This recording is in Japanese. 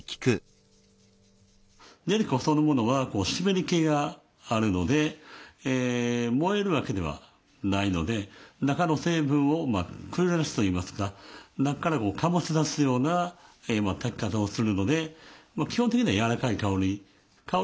練香そのものは湿り気があるので燃えるわけではないので中の成分をくゆらすといいますか中から醸し出すような炊き方をするので基本的にはやわらかい香り。